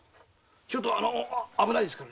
ちょっと危ないですからね。